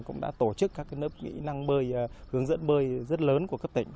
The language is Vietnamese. cũng đã tổ chức các lớp kỹ năng bơi hướng dẫn bơi rất lớn của cấp tỉnh